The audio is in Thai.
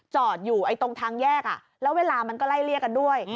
จอดอยู่ตรงทางแยกแล้วเวลามันก็ไล่เลี่ยกันด้วย